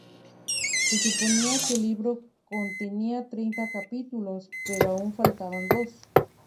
Se suponía que el libro contenía treinta capítulos, pero aún faltaban dos.